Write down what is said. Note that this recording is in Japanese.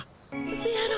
せやろ。